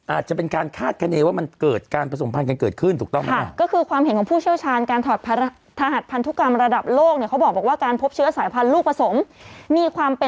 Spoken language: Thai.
อาจจะเป็นการคาดคณีว่ามันเกิดการผสมพันธ์กันเกิดขึ้นถูกต้องไหม